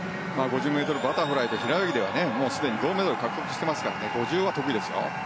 ５０ｍバタフライと平泳ぎではもうすでに銅メダルを獲得していますから５０は得意ですよ。